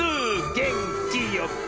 げんきよく！